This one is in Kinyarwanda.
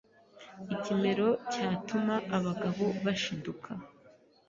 ikimero cyatuma abagabo bashiduka.